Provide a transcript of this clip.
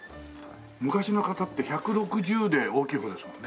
昔の方って１６０で大きい方ですもんね。